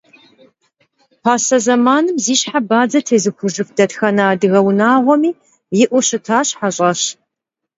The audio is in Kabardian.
Pase zemanım zi şhe badze têzıxujjıf detxene adıge vunağuemi yi'eu şıtaş heş'eş.